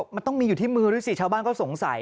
มันต้องมีอยู่ที่มือด้วยสิชาวบ้านเขาสงสัย